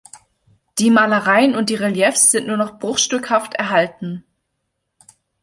Die Malereien und die Reliefs sind nur noch bruchstückhaft erhalten.